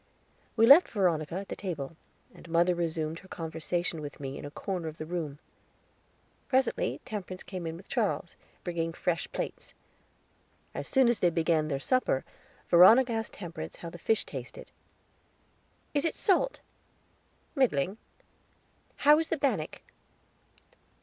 We left Veronica at the table, and mother resumed her conversation with me in a corner of the room. Presently Temperance came in with Charles, bringing fresh plates. As soon as they began their supper, Veronica asked Temperance how the fish tasted. "Is it salt?" "Middling." "How is the bannock?"